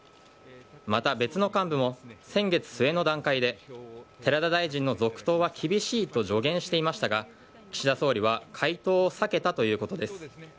また、別の幹部も、先月末の段階で、寺田大臣の続投は厳しいと助言していましたが、岸田総理は回答を避けたということです。